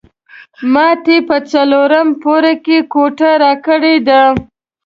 ماته یې په څلورم پوړ کې کوټه راکړې وه.